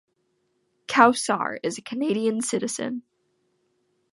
Kowsar is a Canadian Citizen.